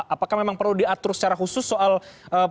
apakah memang perlu diatur secara khusus soal poin ini